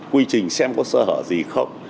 quy trình xem có sơ hở gì không